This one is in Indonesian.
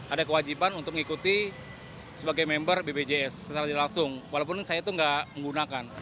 ada kewajiban untuk mengikuti sebagai member bpjs secara langsung walaupun saya itu nggak menggunakan